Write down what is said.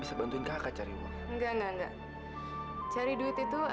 saya mau pergi interviu kerja